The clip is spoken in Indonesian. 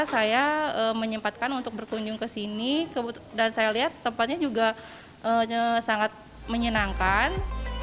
saya menyempatkan untuk berkunjung ke sini dan saya lihat tempatnya juga sangat menyenangkan